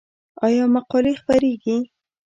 آیا مقالې خپریږي؟